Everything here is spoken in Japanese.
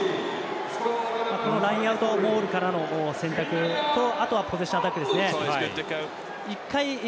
ラインアウトモールからの選択と、あとはポゼッションアタックですよね。